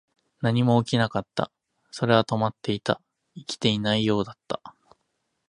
何も起きなかった。それは止まっていた。生きていないようだった。